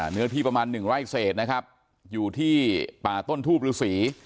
เนื้อที่ประมาณหนึ่งไร่เศษนะครับอยู่ที่ป่าต้นทูบฤษี